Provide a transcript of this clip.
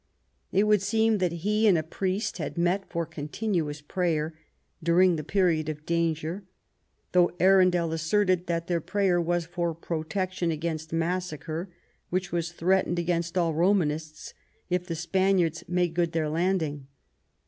It would seem that he and a priest had met for continuous prayer during the period of danger, though Arundel as serted that their prayer was for protection against massacre, which was threatened against all Romanists if the Spaniards made good their landing.